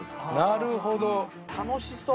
・なるほど楽しそう